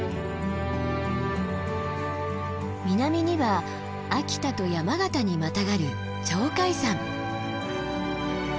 南には秋田と山形にまたがる鳥海山。